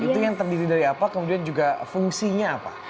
itu yang terdiri dari apa kemudian juga fungsinya apa